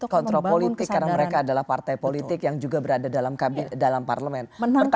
kontrol politik karena mereka adalah partai politik yang juga berada dalam parlemen